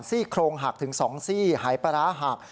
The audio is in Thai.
ซี่โครงหักถึง๒ซี่หายปลาร้าหัก